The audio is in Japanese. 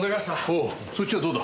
おおそっちはどうだ？